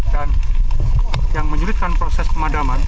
dan yang menyulitkan proses pemadaman